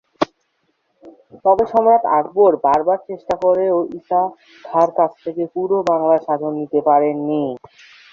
তবে সম্রাট আকবর বারবার চেষ্টা করেও ঈসা খাঁর কাছ থেকে পুরো বাংলার শাসন নিতে পারেননি।